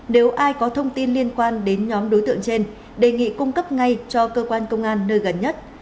nếu ai có thông tin liên quan đến nhóm đối tượng trên đề nghị cung cấp ngay cho cơ quan công an nơi gần nhất